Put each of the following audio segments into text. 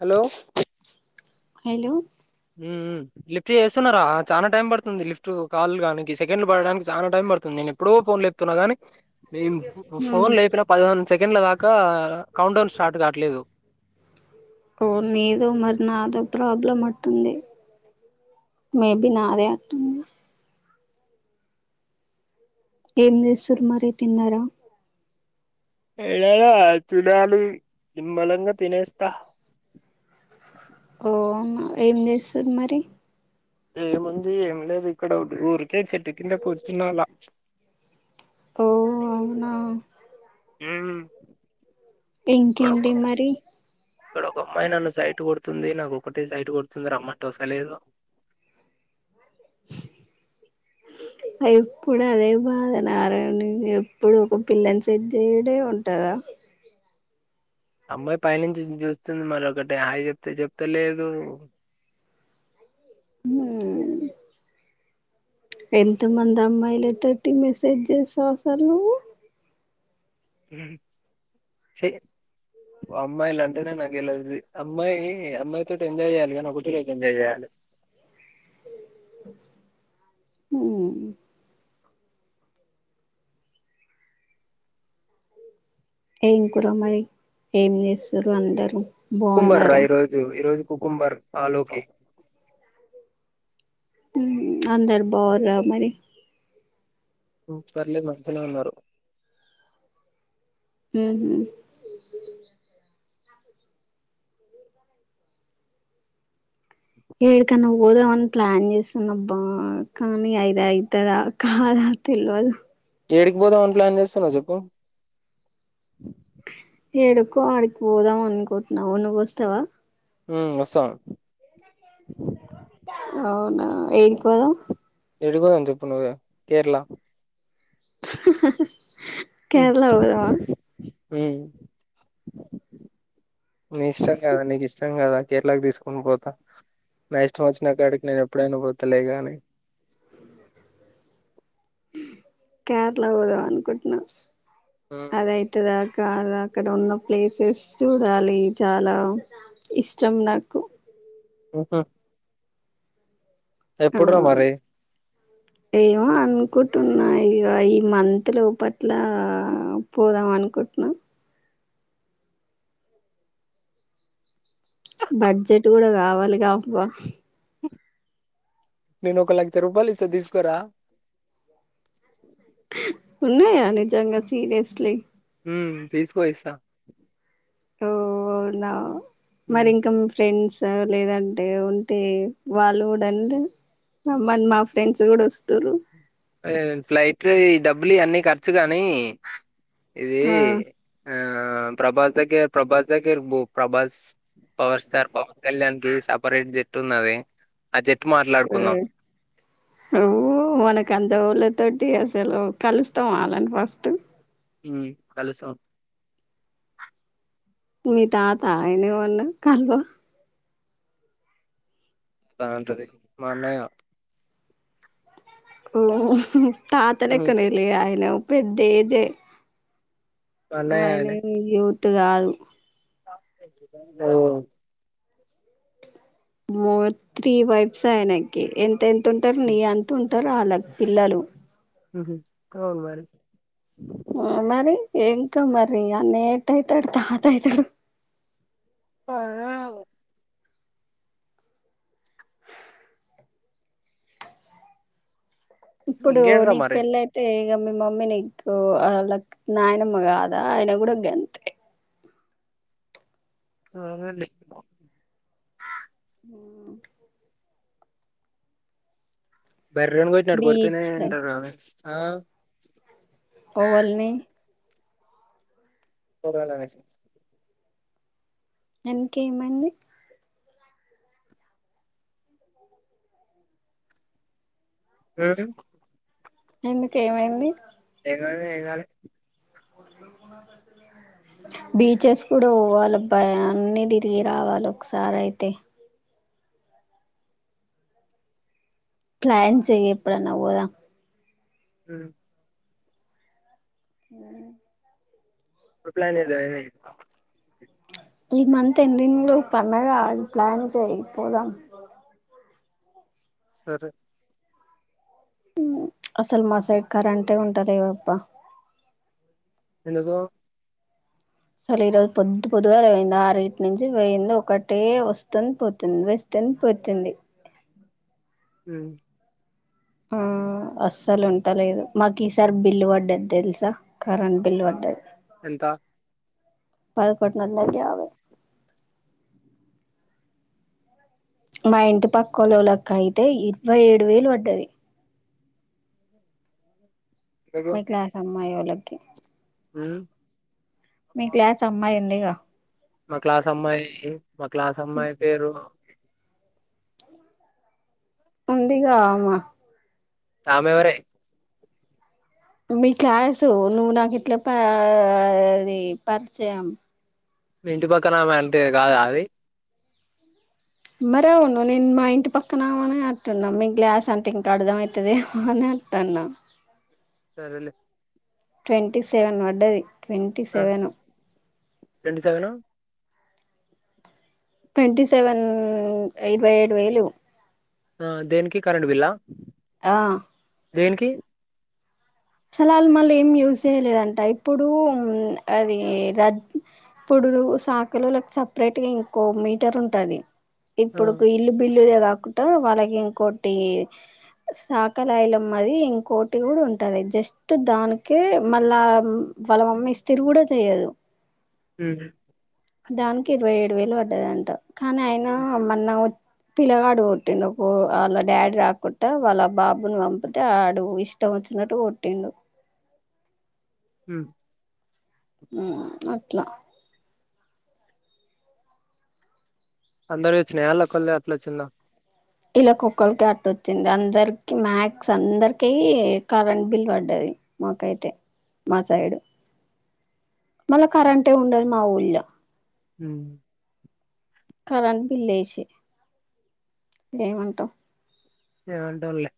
Hello hello మ్మ్ lift లు చేస్తున్నారా చాలా టైం పడుతుంది లిఫ్ట్ కాల్ రావినికి సెకండ్లు పడడానికి చాలా టైం పడుతుంది ఎప్పుడో ఫోన్ లేపుతున్నా గానీ నిన్ ఫోన్ లేపిన పదిహేను సెకండ్ల దాకా ఇంకా కౌంట్ డౌన్ స్టార్ట్ కావట్లేదు ఓ నీదో మరి నాదో ప్రాబ్లం అంటుంది మేబి నాదే అంటుంది, ఏం చేస్తుారు మరి తిన్నారా ఏడ చూడాలి నిమళంగా తినేస్తస్తా అవునా ఏంచేస్తురు మరి ఏముంది ఏం లేదు ఇక్కడ ఊరికే చెట్టు కింద కూర్చున్నాాల ఓ అవునా ఆ ఇంకా ఏంటి మరిీ ఇక్కడ ఒక అమ్మాయి నన్ను సైట్ కొడుతుంది నాకు ఒకటే సైట్ కొడుతుంది రామంటే వస్తులేదు, [unintelligible] ఎప్పుడు అదే బాధ నారాయణ ఎప్పుడు ఒక పిల్లని సెట్ చేయుడే ఉంటాదా [unintelligible] అమ్మాయి పైనుంచి చూస్తుంది మరి ఒకటిే హాయి చెప్తే చెప్తా లేదు, ఎంతమంది అమ్మాయిలతోటి మెసేజ్ చేస్తావు అసలు నువ్వు, చి ఓ అమ్మాయిలు అంటేనే నాకు ఎలర్జీ అమ్మాయి అమ్మాయితోటి ఎంజాయ్ చేయాలి కానీ ఒకటే లైఫ్ ఎంజాయ్ చేయాలి, [unintelligible] ఉ ఏం కూర మరి ఏం చేస్తురు అందరూ కుకుంబర్ రా బాగున్నారా ఈ రోజు, ఈ రోజు కుకుంబర్ అల్లుకి హు అందరు బాగురా మరి పర్లేదు మంచిగానే ఉన్నారు. ఉహు ఏడికన్నా పోదామని ప్లాన చేస్తున్న అబ్బా కానీ అది అయితాదా కదా తెలవదు ఏడికి పోదాంమని ప్లాన్ చేస్తున్నా చెప్పు ఎడుకో అడికి పోదాం అనుకోటున నువ్వు వస్తావా ఉ వస్తా అవునా ఏడికి పోదాం ఏడికి పోదాం చెప్పు నువ్వే కేరళ కేరళ పోదామా ఉ నీ ఇష్టం కదా నీకు ఇష్టం కదా కేరళకి తీసుకుని పోతా నా ఇష్టం వచ్చినా కాడికి నేను ఎప్పుడైనా పోతాలేగాని [unintelligible] కేరళ పోదామని అనుకుంటున్నా ఉమ్, అది అయితదా కాద అక్కడ ఉన్న ప్లేసెస్ చూడాలి చాలా ఇష్టం నాకు [unintelligible] ఆ ఎప్పుడురా మరి ఇగో అను అనుకుంటున్నా ఇక ఈ మంత్లో పట్ల పోదాం అనుకుంటున్నాం బడ్జెట్ కూడా కావాలి అవా నేను ఒక లక్ష రూపాయలు ఇస్తా తీసుకోరా ఉన్నాయా నిజంగా సిరియస్లీ ఉ తీసుకో ఇస్తా ఓ అవునా మరి ఇంకా ఉమ్. ఫ్రెండ్స్ లేద అంటే ఉంటే వాళ్ళు కూడా అంటన్ రమ్మ అని మా ఫ్రెండ్స్ కూడా వస్తు త్తురు ఏ ఫ్లైట్ లో ఈ డబ్బులు ఇ అన్నీ ఖర్చు కానీ ఇది ఆ ఆ ప్రభాస్ కే ప్రభాస్ కేర్ ఇర్బు ప్రభాస్ పవర్ స్టార్ పవన్ కళ్యాణ్ కి సపరేట్ జట్టు ఉన్నది ఆ జట్టు ఆ మాట్లాడుకుందాం నువ్వు మనకంత్ తోల తోటి అసలు కలుస్తామా వాళ్ళని ఫస్ట్ మ్ అలుసా మీ తాతయను ఉను కాల్ బో వస్తా అంట అది మా అన్నయ్య ఓ తాతనేక్కనేలే ఆయన ఓ పెద్ద ఏజే మా అన్నయ్య అయన ఏమ్ యూత్ కాదు అద్ గో మోర్ త్రీ వైబ్స్ ఆయనకి ఎంత ఎంత ఉంటారు నీ అంత ఉంట్ టరో వాళ్ళ పిల్లలు ఉహు డోంట్ వరి ఆ మరి ఇంకా మరి అనేేట్ అయితాడు తాతయ్యే తో అర్రో ఇప్పుడు ఇంకేంట్రా నీక్ మరి పెళ్ళ అయితే ఇగ మీ మమ్మీ నీకో వాళక్ నాయన అమ్మ కాదా ఆయన కూడా గెంత్ ఏ సరే లే మ్మ్ బర్రీని కొట్టినట్టు కోడ్ తేనే బీచ్లు ఉంటారు అండి ఆ కొవల్ని పోదాళ్ళ రైస్ అందుకేమ అండి యాడ ఎందుకు ఏమైంది ఏది కావలంటే ఏది కావాలే బీచెస్ కూడా పోవాలి అబ్బాయా అన్ని తిరిగి రావాలి ఒకసారి అయితే ప్లాన్ చేయి ఎప్పుడ అన్నా పోదాం మ్ మ్మ్ అ ఇప్లాయిన్ ఇద అయిని ఈ మంత్ ఎన్నింగ్లో పన్నాగా అది ప్లాన్ చేయి పోదాం మ్ సరే అసల్ మా సైడ్ కరేంటే ఉంట లేద అబ్బా ఎందుకో సర్లే ఈ రోజు పొద్దు పొద్దుగా పోయింది ఆర్ ఇట్ నుంచి వేయింది ఒకటే వస్తు ఉంది పోతు ఉంది వేస్తే ఏన్ పోతుఉంది మ్ ఆ అస్సలు ఉంట లేదు మాకు ఈసారి బిల్లు పడ్డది తెలుసా కరెంట్ బిల్ పడ్డది ఎంతా పల్కోట్ నా అందర్ది అవే మా ఇంటి పక్కలోల్లకయితే ఇరవై ఏడు వేలు పడ్డది ఎందుకు మా క్లాస్ అమ్మాయోల్లకి మ్మ్ మీ క్లాస్ అమ్మాయి ఉందిగా మా క్లాస్ అమ్మాయి మా క్లాస్ అమ్మాయి పేరు ఉందిగా ఆమ అమెవరే మీ క్లాసు నువ్వు నాకిట్ల పా అది పరిచయం మీ ఇంటి పక్కన వెంటి కాదా అది మరే ఆవును నిన్ మా ఇంటి పక్కన అమేనే అట్ నమ్మి గ్లాస్ అంటే ఇంకా అర్ధం అయితది అనే వత్తన్నా సరేలే ట్వంటీ సెవెన్ పడ్డది ట్వంటీ సెవెన్ రెండు సెవేను ట్వంటీ సెవెన్ ఇరవై ఏడు వేలు ఆ దేనికి కరెంట్ బిల్లా ఆ దేనికి అసలు వాళ్ళు ఏమి యూజ్ చేయలేదంట ఇప్పుడు అది రత్ ఇప్పుడు ఇప్పుడు సాకులోళ్ళకి సపరేట్ గా ఇంకో మీటర్ ఉంటది ఆ ఇప్పుడు ఇల్లు బిల్లుదే కాకుండా వాళ్ళకి ఇంకోటి సాకలాయిలమ్మది ఇంకోటి కూడా ఉంటది జస్ట్ దానికే మళ్ళా వాళ్ళ మమ్మీ ఇస్తరు కూడా చెయ్యదు మ్మ్ దానికి ఇరవై ఏడు వేలు పడ్డదంట కానీ ఆయన మొన్న పిల్లగాడు కొట్టిండు వాళ్ళ డాడీ రాకూడా వాళ్ళ బాబుని పంపితే ఆడు ఇష్టం వచ్చినట్టు కొట్టిండు మ్మ్ మ్మ్ అట్లా అందరు వచ్చినయా వాళ్ళ ఒకళ్ళే అట్లా వచ్చిందా ఇలాకొకళ్ళకే అట్ వచ్చింది అందరికి మ్యాక్స్ అందరికి కరెంట్ బిల్ పడ్డది మాకైతే మా సైడు మళ కరంట్ ఏ ఉండదు మా ఊళ్ళో మ్మ్ కరెంట్ బిల్ వేసి ఏమంటాం ఏమంటాం లే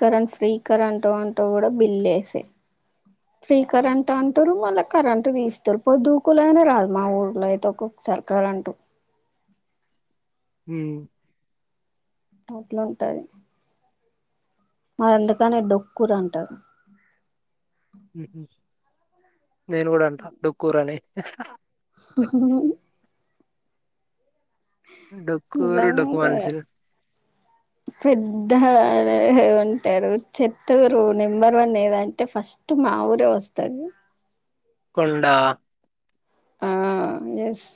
కరెంట్ ఫ్రీ కరెంటో అంటో కూడా బిల్ వేసే ఫ్రీ కరెంట్ అంటారు మళ్ళా కరెంట్ తీస్తారు పొద్దుగూకలు అయినా రాదు మా ఊర్లో అయితే ఒకోక సరి కరెంటు మ్మ్ అట్లు ఉంటది మరి అందుకనే డొక్కూరు అంటారు మ్మ్ హూ నేను కూడా అంటా డోక్కూరు అని డొక్కురు నిజంగా డొక్కువన్సీ పెద్ద ఉంటారు చెత్తగురు నెంబర్ వన్ ఏదంటే ఫస్ట్ టు మా ఊరే వస్తది కొండా ఆ ఎస్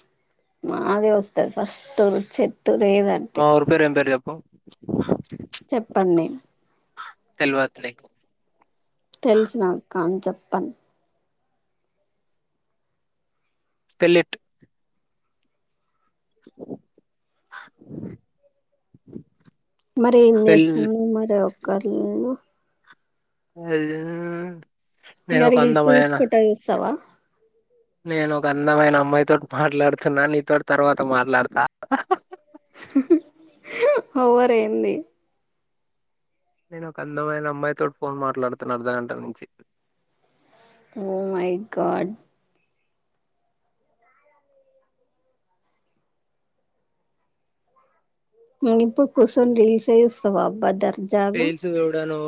మాదే వస్తేది ఫస్ట్ చెట్ మా ఊరు పేరు ఏం పేరు చెప్పు చెప్పను నేను తెల్వదనిక్ తెల్సు నాకు కాని చెప్పను స్పెల్లిట్ [inaudible] మరి ఏం స్పెల్ చేస్తునవ్ ఒక్కర్ నువ్వు అ ఇంకా రీల్స్స్కుట చూస్తావా నేను ఒక అందమైన అమ్మాయితోటి మాట్లాడుతున్నా నీతోటి తర్వాత మాట్లాడతా ఒవారెంది నేను ఒక అందమైన అమ్మాయి తోటి ఫోన్ మాట్లాడుతున్నా అర్ధ గంట నుంచి ఓ మై గాడ్ ఇప్పుడు కుసన్ రీల్స్ చేస్తావా బ్రదర్ రీల్స్ చూడను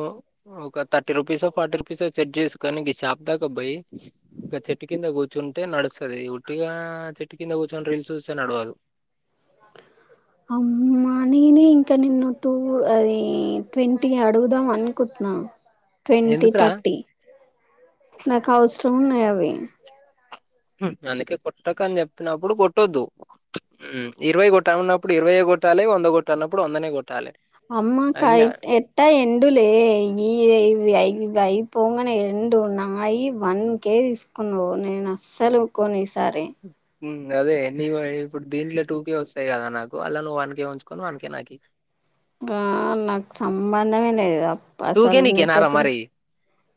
ఒక thirty rupees forty rupees set చేసుకొని షాప్ దాకాబ్బాయి ఇం చెట్టు కింద కూర్చుంటే నడుస్తుది ఉట్టిగా చెట్టు కింద కూర్చుంటే రీల్స్ చూస్తే నడవదు [inaudible] అమ్మా నేనే ఇంకా నిన్ను టూ అది ట్వంటీ అడుగుదాం అనుకుంటున్నాను ట్వంటీ ఎందుకురా థర్టీ నాకు అవసరం ఉన్నాయి అవి అందుకే కొట్టకని చెప్పినప్పుడు కొట్టొద్దు ఇరవై గట్ట ఉన్నప్పుడు ఇరవయే గట్టాల వంద గట్ట అన్నప్పుడు వందనే గొట్టాలే అమ్మకా ఎట్ట ఎండూలే ఈ ఇ అయిపోంగనే రెండు నాయి వన్ కే తీసుకునవ్ నేను అస్సలు కొను ఈ సారే అదే నీవు ఇప్పుడు దీంట్లో టూ కే వస్తాయి కదా నాకు అలా నువ్వు వన్ కే ఉంచుకొని వన్కే నాకియ్ బా నాకు సంబంధమే లేదుగా టూ కే అసలు నీకేనారా నీతోటి మరి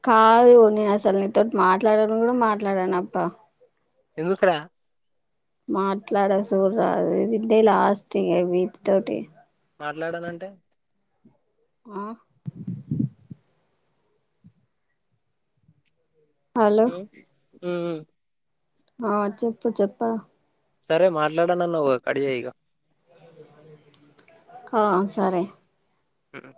కాదు నే అసలు నీతోటి మాట్లాడ ను కూడా మాట్లాడాను అప్ప ఎందుకూర మాట్లాడ సూడ్రా ఇదే లాస్ట్ ఇగ వీట్తోటి మాట్లాడానంటే ఆ హలో హమ్ ఉం ఆ చెప్పు చెప్ప సరే మాట్లాడాన్నావుగా కట్చై ఈగ ఆ సరే ఆ